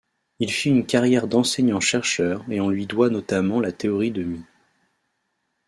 Il fit une carrière d'enseignant-chercheur et on lui doit notamment la théorie de Mie.